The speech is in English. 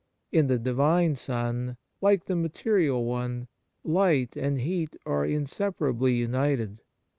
In the Divine sun, like the material one, light and heat are inseparably united.